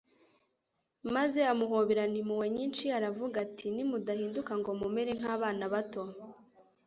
maze amuhoberana impuhwe nyinshi, aravuga ati :« Nimudahinduka ngo mumere nk'abana bato,